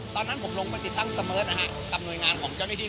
ตอนนั้นผมลงไปติดตั้งสเมิร์ทนะฮะกับหน่วยงานของเจ้าหน้าที่